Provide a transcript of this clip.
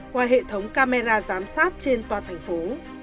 qua hệ thống camera giám sát trên toàn thành phố